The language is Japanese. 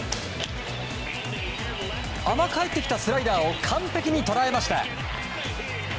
甘く入ってきたスライダーを完璧に捉えました。